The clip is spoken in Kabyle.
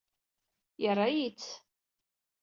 Yerra-yi-tt.